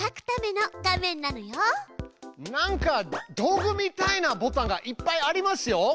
なんか道具みたいなボタンがいっぱいありますよ。